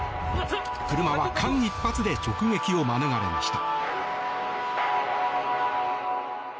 車は間一髪で直撃を免れました。